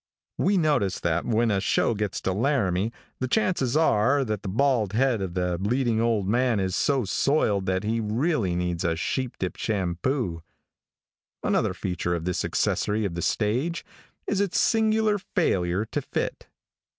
We notice that when a show gets to Laramie the chances are that the bald head of the leading old man is so soiled that he really needs a sheep dip shampoo. Another feature of this accessory of the stage is its singular failure to fit.